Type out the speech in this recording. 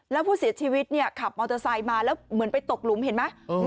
แล้วผู้เสียชีวิตเนี่ยขับมอเตอร์ไซค์มาแล้วเหมือนไปตกหลุมเห็นไหม